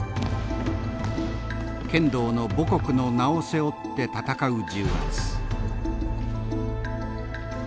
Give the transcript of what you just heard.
剣道の母国の名を背負って戦う重圧。